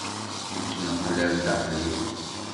yettneqlab daxxel-iw.